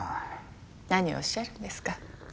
何をおっしゃるんですか。